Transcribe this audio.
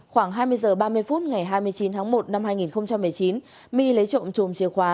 khoảng hai mươi h ba mươi phút ngày hai mươi chín tháng một năm hai nghìn một mươi chín my lấy trộm chùm chìa khóa